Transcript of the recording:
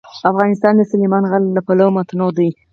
افغانستان د سلیمان غر له پلوه متنوع دی.